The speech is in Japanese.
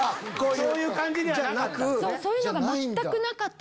そういう感じではなかった。